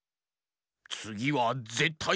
つぎはぜったい。